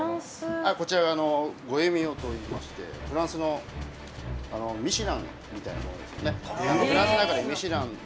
こちらがあのゴ・エ・ミヨといいましてフランスのミシュランみたいなものですよね